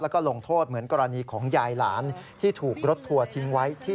แล้วก็ลงโทษเหมือนกรณีของยายหลาน